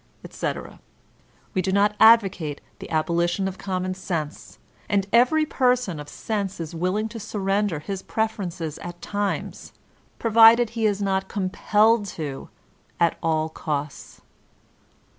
etc We do not advocate the abolition of common sense, and every person of sense is willing to surrender his preferences at times, provided he is not compelled to at all costs.)